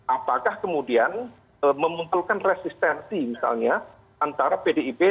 apakah kemudian memungkulkan resistensi misalnya antara pdip dengan pdip